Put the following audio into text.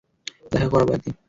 দেখা করাবো একদিন।